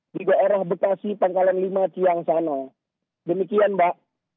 di daerah bekasi pangkalan lima tiang sana demikian mbak